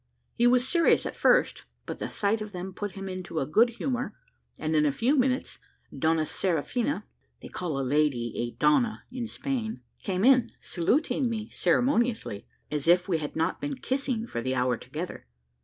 He was serious at first, but the sight of them put him into good humour, and in a few minutes Donna Seraphina (they call a lady a Donna in Spain) came in, saluting me ceremoniously, as if we had not been kissing for the hour together.